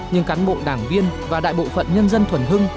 nhưng cán bộ đảng viên và đại bộ phận nhân dân thuần hưng